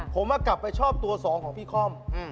ผมกลับไปชอบตัวสองของพี่ค่อม